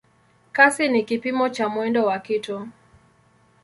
Kasi ni kipimo cha mwendo wa kitu.